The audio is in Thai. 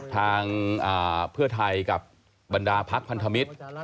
ทางเพื่อไทยกับบรรดาพักพันธมิตร